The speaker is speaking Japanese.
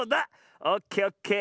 オッケーオッケー。